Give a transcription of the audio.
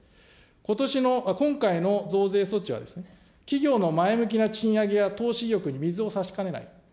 ことしの、今回の増税措置は企業の前向きな賃上げや投資意欲に水をさしかねない。